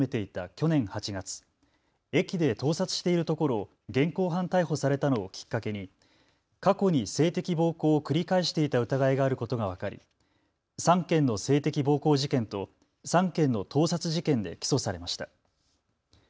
去年８月、駅で盗撮しているところを現行犯逮捕されたのをきっかけに過去に性的暴行を繰り返していた疑いがあることが分かり、３件の性的暴行事件と３件の盗撮事件で起訴されました。